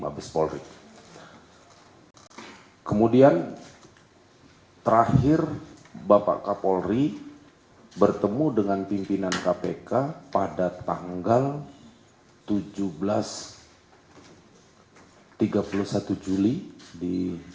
mabes polri kemudian terakhir bapak kapolri bertemu dengan pimpinan kpk pada tanggal tujuh belas tiga puluh satu juli di